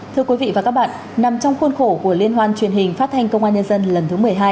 thưa quý vị và các bạn nằm trong khuôn khổ của liên hoan truyền hình phát thanh công an nhân dân lần thứ một mươi hai